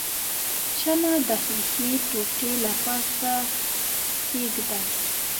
شمع د ښيښې ټوټې له پاسه کیږدئ.